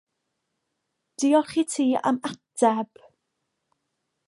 Diolch i ti am ateb.